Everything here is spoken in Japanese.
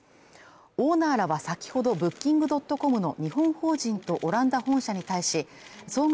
オーナーらは先ほどブッキングドットコムの日本法人とオランダ本社に対し総額